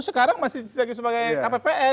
sekarang masih sebagai kpps